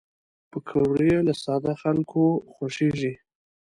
پکورې له ساده خلکو خوښېږي